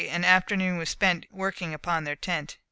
The afternoon was spent in working upon their tent.